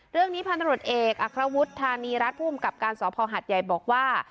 เรื่องนี้พันตรวจเอกอัครวุฒิธานีรัฐภูมิกับการสภหัดใหญ่บอกว่า